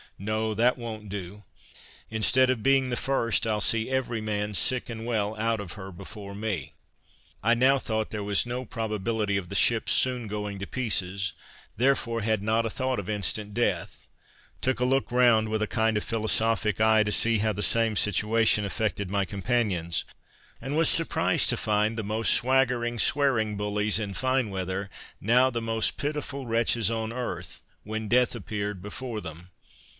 No, that won't do; instead of being the first, I'll see every man, sick and well, out of her before me." I now thought there was no probability of the ship's soon going to pieces, therefore had not a thought of instant death: took a look round with a kind of philosophic eye, to see how the same situation affected my companions, and was surprised to find the most swaggering, swearing bullies in fine weather, now the most pitiful wretches on earth, when death appeared before them.